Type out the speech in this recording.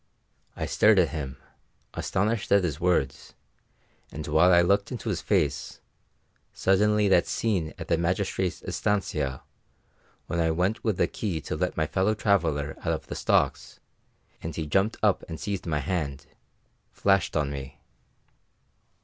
I stared at him, astonished at his words; and while I looked into his face, suddenly that scene at the magistrate's estancia, when I went with the key to let my fellow traveller out of the stocks, and he jumped up and seized my hand, flashed on me.